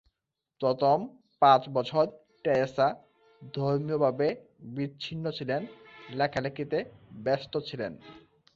প্রথম পাঁচ বছর টেরেসা ধর্মীয়ভাবে বিচ্ছিন্ন ছিলেন, লেখালেখিতে ব্যস্ত ছিলেন।